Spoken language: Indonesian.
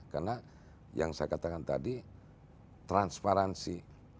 karena yang saya katakan tadi transparansi